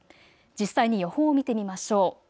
実際に予報を見てみましょう。